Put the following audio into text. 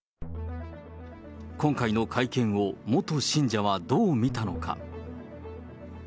今回の会見を元信者はどう見たのか。